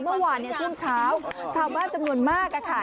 เมื่อวานเนี่ยช่วงเช้าชาวบ้านจำนวนมากค่ะ